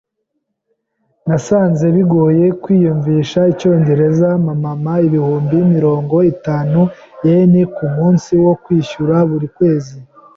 Nasanze bigoye kwiyumvisha icyongereza. Mpa mama ibihumbi mirongo itanu yen kumunsi wo kwishyura buri kwezi.